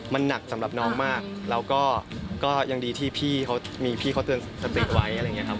มันหนักสำหรับน้องมากแล้วก็ยังดีที่พี่เขามีพี่เขาเตือนสติไว้อะไรอย่างนี้ครับ